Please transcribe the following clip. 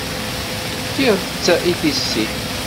Tefkid-tt i tissit.